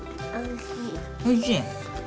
おいしい？